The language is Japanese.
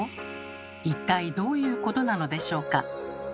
一体どういうことなのでしょうか？